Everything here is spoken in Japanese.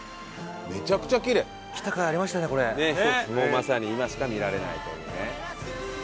まさに今しか見られないというね。